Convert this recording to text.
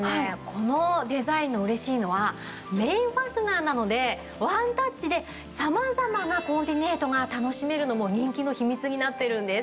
このデザインの嬉しいのは面ファスナーなのでワンタッチで様々なコーディネートが楽しめるのも人気の秘密になっているんです。